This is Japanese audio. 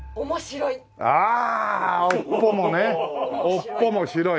尾っぽも白い。